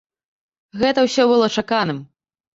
Гэта ўсё было чаканым.